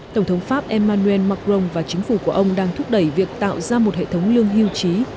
tổng thống pháp emmanuel macron và chính phủ của ông đang thúc đẩy việc tạo ra một hệ thống lương hưu trí